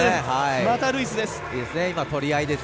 またルイスです。